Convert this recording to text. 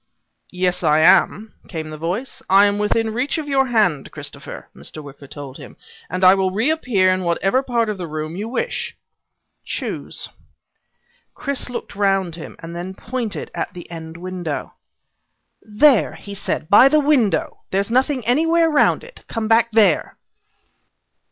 "Yes I am," came the voice. "I am within reach of your hand, Christopher," Mr. Wicker told him. "And I will reappear in whatever part of the room you wish. Choose." Chris looked around him, and then pointed to the end window. "There," he said, "by the window. There's nothing anywhere around it. Come back there."